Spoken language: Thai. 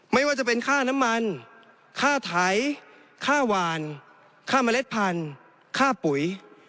ไม่ว่าจะเป็นค่าน้ำมันค่าไถค่าหวานค่าเมล็ดพันธุ์ค่าปุ๋ย